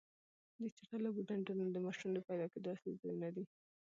د چټلو اوبو ډنډونه د ماشو د پیدا کېدو اصلي ځایونه دي.